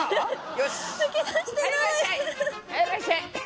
よし！